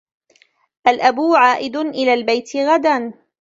الأب عائد إلى البيت غداَ.